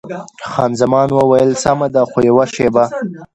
خان زمان وویل: سمه ده، خو یوه شېبه.